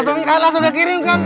langsung kekirim kak